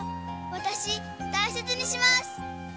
私大切にします。